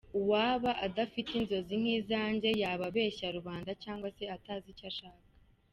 Uwaba adafite inzozi nk’izanjye yaba abeshya rubanda cyangwa se atazi icyo ashaka.